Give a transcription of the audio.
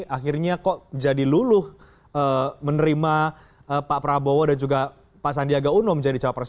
akhirnya kok jadi luluh menerima pak prabowo dan juga pak sandiaga uno menjadi cawapres